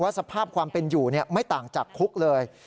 สภาพความเป็นอยู่ไม่ต่างจากคุกเลย